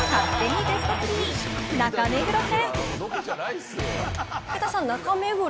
勝手にベスト３、中目黒編！